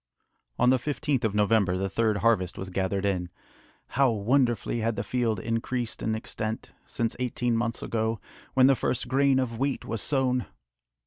On the 15th of November, the third harvest was gathered in. How wonderfully had the field increased in extent, since eighteen months ago, when the first grain of wheat was sown!